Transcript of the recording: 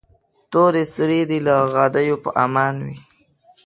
تور سرې دې له غدیو په امان وي.